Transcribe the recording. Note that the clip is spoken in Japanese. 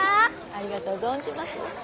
ありがとう存じます。